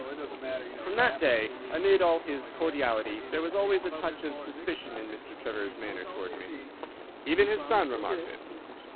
"From that day, amid all his cordiality, there was always a touch of suspicion in Mr. Trevor's manner towards me. Even his son remarked it.